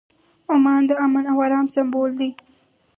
عمان د امن او ارام سمبول دی.